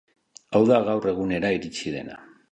Hau da gaur egunera iritsi dena.